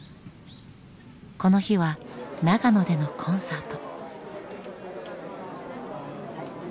この日は長野でのコンサート。